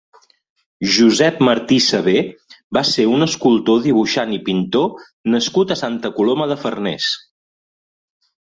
Josep Martí Sabé va ser un escultor, dibuixant i pintor nascut a Santa Coloma de Farners.